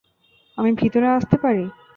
আমি ভিতরে আসতে পারি?